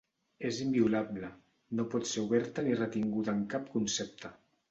És inviolable: no pot ser oberta ni retinguda en cap concepte.